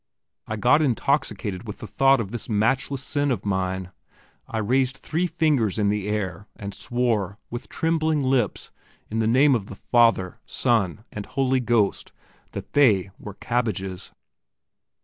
I got intoxicated with the thought of this matchless sin of mine. I raised three fingers in the air, and swore, with trembling lips, in the name of the Father, Son, and Holy Ghost, that they were cabbages.